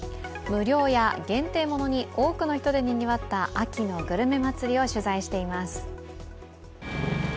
無料や限定ものに多くの人でにぎわった秋のグルメ祭りを取材しています。